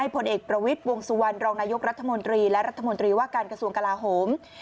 ผลเอกประวิทย์วงสุวรรณรองนายกรัฐมนตรีและรัฐมนตรีว่าการกระทรวงกลาโหม